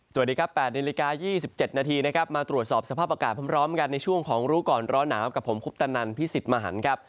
สวัสดีครับ๘นาฬิกา๒๗นาทีนะครับมาตรวจสอบสภาพอากาศพร้อมกันในช่วงของรู้ก่อนร้อนหนาวกับผมคุปตนันพิสิทธิ์มหันครับ